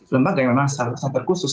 lembaga yang memang sangat terkhusus